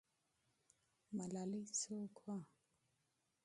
ملالۍ څوک وه؟